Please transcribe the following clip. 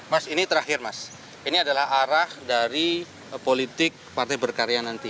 mas ini terakhir mas ini adalah arah dari politik partai berkarya nanti